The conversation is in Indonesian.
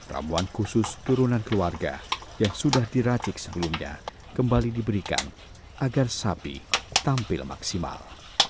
ramuan khusus turunan keluarga yang sudah diracik sebelumnya kembali diberikan agar sapi tampil maksimal